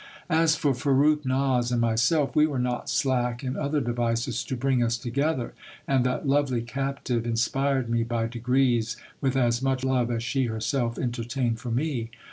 As for Farrukhnaz and myself, we were not slack in other devices to bring us together ; and that lovely captive inspired me by degrees with as much love as she herself entertained for me.